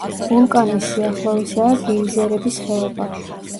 ვულკანის სიახლოვესაა გეიზერების ხეობა.